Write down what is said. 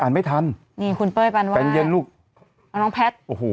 อ่านไม่ทันนี่คุณเป้ยบรรไหว้แปลงเย็นลูกเอาน้องแพทย์โอ้โห